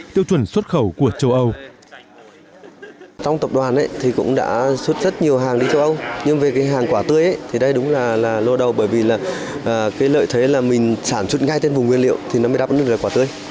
tiêu chuẩn xuất khẩu của châu âu